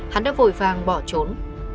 hắn đã vội vàng bỏ trốn